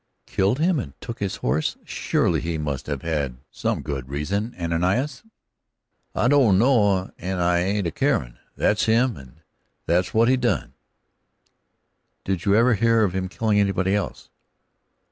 "Killed him and took his horse? Surely, he must have had some good reason, Ananias." "I don' know, and I ain't a carin'. That's him, and that's what he done." "Did you ever hear of him killing anybody else?"